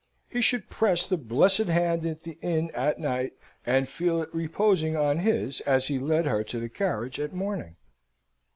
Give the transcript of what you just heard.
He should press the blessed hand at the inn at night, and feel it reposing on his as he led her to the carriage at morning.